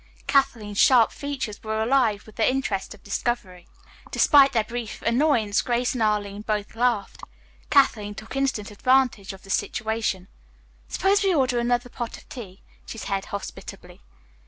Kathleen's sharp features were alive with the interest of discovery. Despite their brief annoyance Grace and Arline both laughed. Kathleen took instant advantage of the situation. "Suppose we order another pot of tea," she said hospitably.